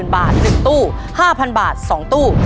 ๑๐๐๐๐บาท๑ตู้๕๐๐๐บาท๒ตู้